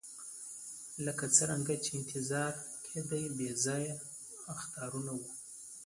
لکه څرنګه چې انتظار یې کېدی بې ځایه اخطارونه وو.